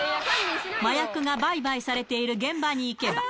麻薬が売買されている現場に行けば。